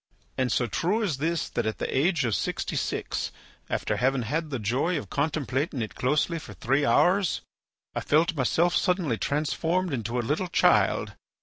And so true is this, that at the age of sixty six, after having had the joy of contemplating it closely for three hours, I felt myself suddenly transformed into a little child.